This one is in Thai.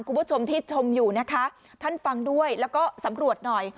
คุณผู้ชมที่ชมอยู่นะคะท่านฟังด้วยแล้วก็สำรวจหน่อย